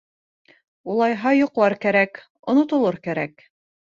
Улайһа йоҡлар кәрәк, онотолор кәрәк.